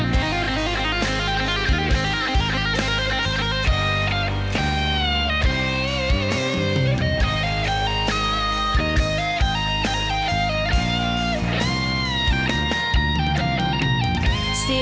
ครัน